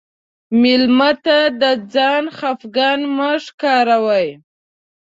مېلمه ته د ځان خفګان مه ښکاروه.